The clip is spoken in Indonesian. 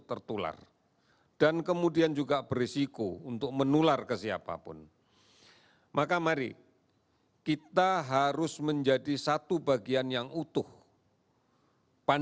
terima kasih soka bryant juga sukar menyarekan sebagai gutsa